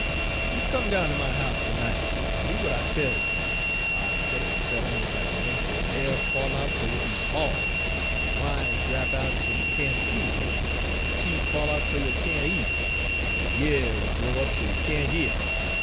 You come down ter my house ter night en do w'at I tells you, er I'll put a spell on you dat'll make yo' ha'r fall out so you'll be bal', en yo' eyes drap out so you can't Page 88 see, en yo teef fall out so you can't eat, en yo' years grow up so you can't heah.